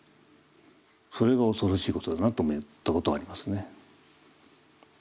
それが恐ろしいことだなと思ったことはありますね。